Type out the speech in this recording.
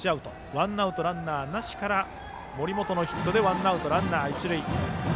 ワンアウトランナーなしから森本のヒットでワンアウトランナー、一塁。